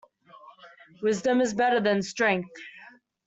Wisdom is better than strength.